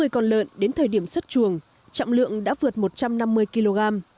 năm mươi con lợn đến thời điểm xuất chuồng trọng lượng đã vượt một trăm năm mươi kg